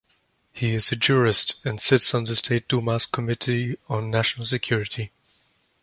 He is a jurist, and sits on the State Duma's Committee on National Security.